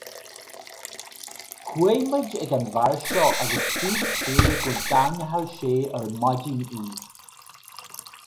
Chuaigh muid ag an bhfear seo agus dúirt sé go dtarraingeodh sé ar maidin í.